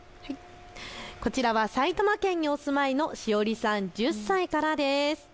こちらは埼玉県にお住まいのしおりさん、１０歳からです。